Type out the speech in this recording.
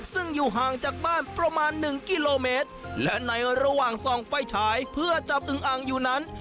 ซึ่งอยู่ห่างจากบ้านประมาณหนึ่งกิโลเมตรและในระหว่างส่องไฟฉายเพื่อจับอึงอังอยู่นั้น